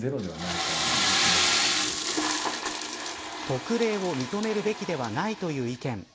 特例を認めるべきではないという意見。